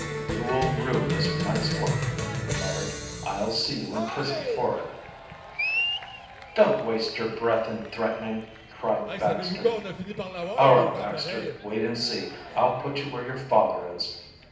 "You will rue this night's work," he muttered. "I'll see you in prison for it." "Don't waste your breath in threatening," cried Baxter. "All right, Baxter, wait and see. I'll put you where your father is."